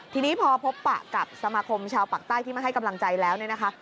ทีนี้พอพบปะกับสมาคมชาวปากใต้ที่มาให้กำลังใจแล้วเนี่ยนะคะ